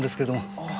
ああ。